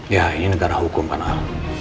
ya ini negara hukum pak nal